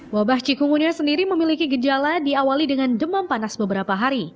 wabah cikungunya sendiri memiliki gejala diawali dengan demam panas beberapa hari